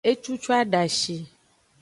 Ecucu adashi.